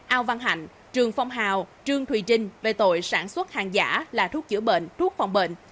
ao văn hạnh trường phong hào trương thùy trinh về tội sản xuất hàng giả là thuốc chữa bệnh thuốc phòng bệnh